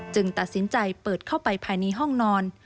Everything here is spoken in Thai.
ตัดสินใจเปิดเข้าไปภายในห้องนอน